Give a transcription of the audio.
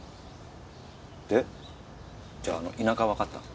でじゃあ田舎わかったの？